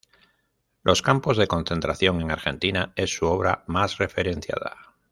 Los campos de concentración en Argentina" es su obra más referenciada.